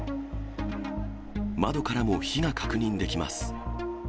窓からも火が確認できます。